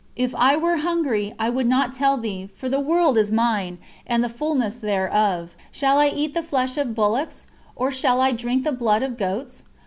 If I were hungry, I would not tell thee, for the world is Mine, and the fulness thereof. Shall I eat the flesh of bullocks, or shall I drink the blood of goats?